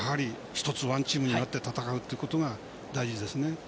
１つ、ワンチームになって戦うことが大事ですね。